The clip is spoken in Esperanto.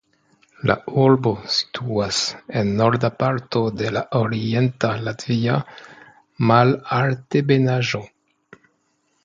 La urbo situas en norda parto de la Orienta Latvia malaltebenaĵo.